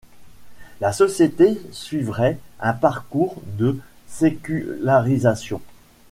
La société suivrait un parcours de sécularisation.